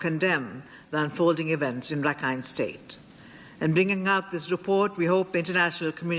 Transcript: จะไม่ใช่ให้นักที่สูงภาพเซียงแห่งยุค